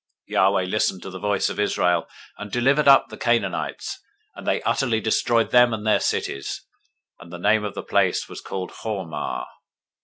021:003 Yahweh listened to the voice of Israel, and delivered up the Canaanites; and they utterly destroyed them and their cities: and the name of the place was called Hormah.